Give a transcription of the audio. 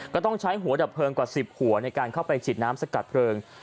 ก็ต้องใช้หัวดับเพลิงกว่า๑๐หัวให้ขิดน้ำสกัดเพลิง